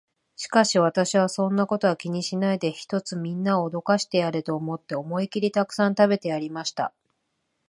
しかし私は、そんなことは気にしないで、ひとつみんなを驚かしてやれと思って、思いきりたくさん食べてやりました。